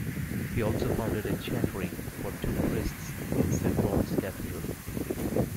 He also founded a chantry for two priests in Saint Paul's Cathedral.